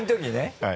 はい。